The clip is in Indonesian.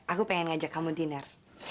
aku pengen ngajak kamu dinner